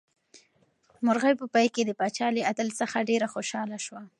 مرغۍ په پای کې د پاچا له عدل څخه ډېره خوشحاله شوه.